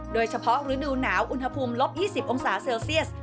โดยเฉพาะฤดูหนาวอุณหภูมิลบ๒๐องศาเซลเซียส